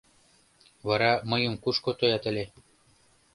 — Вара мыйым кушко тоят ыле?